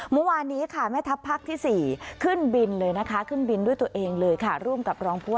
เมื่อวานนี้ค่ะแม่ทัพภาคที่สี่ขึ้นบินเลยนะคะ